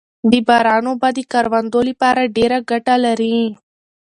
د باران اوبه د کروندو لپاره ډېره ګټه لري